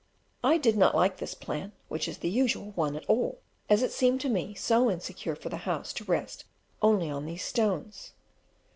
I did not like this plan (which is the usual one) at all, as it seemed to me so insecure for the house to rest only on these stones.